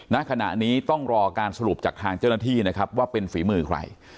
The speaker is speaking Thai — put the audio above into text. ณขณะนี้ต้องรอการสรุปจากทางเจ้าหน้าที่นะครับว่าเป็นฝีมือใคร